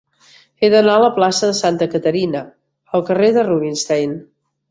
He d'anar de la plaça de Santa Caterina al carrer de Rubinstein.